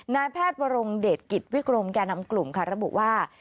นัโพรงเดชกิจวิกรมแก่นำกลุ่มระบุว่า